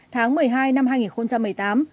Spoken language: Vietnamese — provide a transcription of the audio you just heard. tháng một mươi hai năm hai nghìn một mươi tám